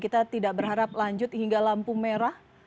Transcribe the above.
kita tidak berharap lanjut hingga lampu merah